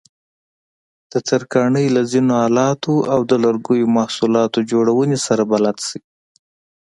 د ترکاڼۍ له ځینو آلاتو او د لرګیو محصولاتو جوړونې سره بلد شئ.